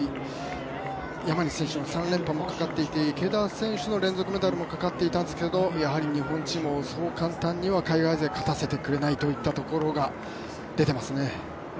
山西選手の３連覇もかかっていて池田選手の連続メダルもかかっていたんですがやはり日本人もそう簡単には、海外勢勝たせてくれないといったところが出てますね。